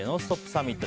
サミット。